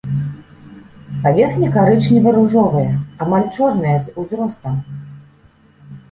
Паверхня карычнева-ружовая, амаль чорная з узростам.